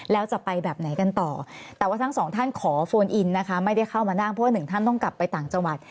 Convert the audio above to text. แล้วจะไปแบบไหนกันต่อแต่ว่าทั้งสองท่านขอโฟนอินนะคะไม่ได้เข้ามานั่งเพราะว่าหนึ่งท่านต้องกลับไปต่างจังหวัด